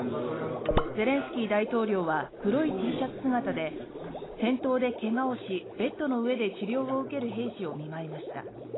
ゼレンスキー大統領は黒いＴシャツ姿で戦闘で怪我をしベッドの上で治療を受ける兵士を見舞いました。